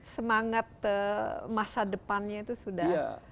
semangat masa depannya itu sudah